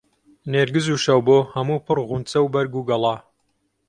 نێرگس و شەوبۆ هەموو پڕ غونچە و بەرگ و گەڵا